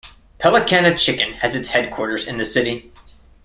Pelicana Chicken has its headquarters in the city.